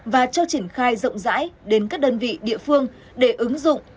và cho triển khai rộng rãi đến các đơn vị địa phương để ứng dụng